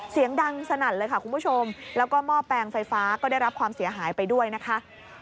เสียงดังสนั่นเลยค่ะคุณผู้ชมแล้วก็หม้อแปลงไฟฟ้าก็ได้รับความเสียหายไปด้วยนะคะ